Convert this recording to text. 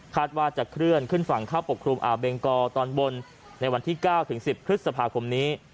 ว่าจะเคลื่อนขึ้นฝั่งเข้าปกครุมอาเบงกอตอนบนในวันที่๙๑๐พฤษภาคมนี้